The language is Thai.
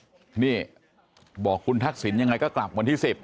นี่บอกคุณทักษิณยังไงก็กลับวันที่๑๐